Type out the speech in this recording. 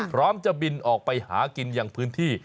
พร้อมจะบินออกไปหากินอย่างพื้นที่